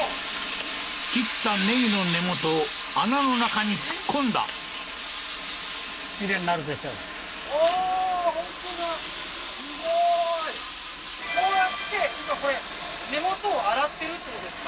切ったネギの根元を穴の中に突っ込んだこうやって今これ根元を洗ってるってことですか？